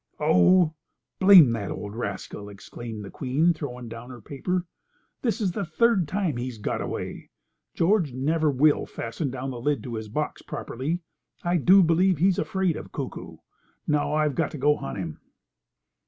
"Oh, blame that old rascal!" exclaimed the Queen, throwing down her paper. "This is the third time he's got away. George never will fasten down the lid to his box properly. I do believe he's afraid of Kuku. Now I've got to go hunt him."